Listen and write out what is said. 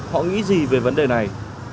họ nghĩ gì về vấn đề này